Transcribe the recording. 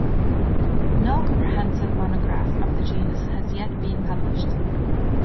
No comprehensive monograph of the genus has yet been published.